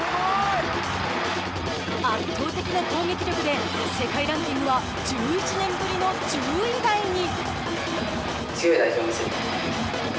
圧倒的な攻撃力で世界ランキングは１１年ぶりの１０位台に。